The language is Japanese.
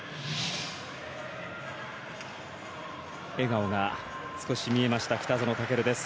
笑顔が少し見えました北園丈琉です。